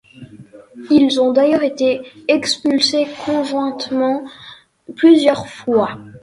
Ils ont d'ailleurs été expulsés conjointement plusieurs fois.